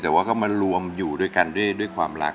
แต่ว่าก็มารวมอยู่ด้วยกันด้วยความรัก